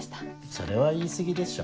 それは言い過ぎでしょ。